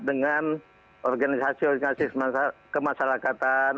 dengan organisasi organisasi kemasyarakatan